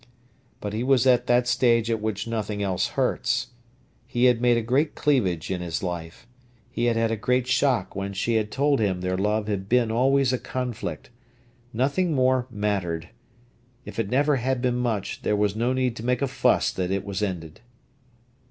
But he was at that stage at which nothing else hurts. He had made a great cleavage in his life. He had had a great shock when she had told him their love had been always a conflict. Nothing more mattered. If it never had been much, there was no need to make a fuss that it was ended.